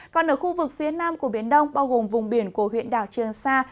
còn ở khu vực phía nam của biển đông bao gồm vùng biển của huyện đảo trường sa